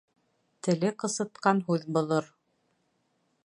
Теле ҡысытҡан һүҙ боҙор